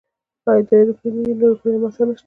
او دا يې روپۍ دي. نورې روپۍ له ما سره نشته.